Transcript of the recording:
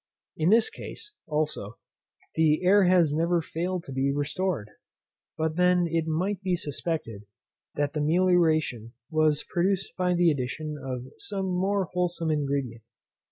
In this case, also, the air has never failed to be restored; but then it might be suspected that the melioration was produced by the addition of some more wholesome ingredient.